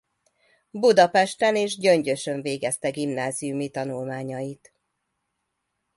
Budapesten és Gyöngyösön végezte gimnáziumi tanulmányait.